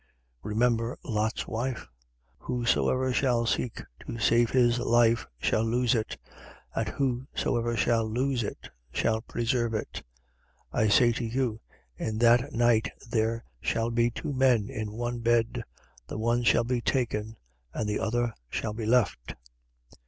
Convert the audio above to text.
17:32. Remember Lot's wife. 17:33. Whosoever shall seek to save his life shall lose it: and whosoever shall lose it shall preserve it. 17:34. I say to you: In that night there shall be two men in one bed. The one shall be taken and the other shall be left.